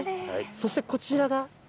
そして、こちらが。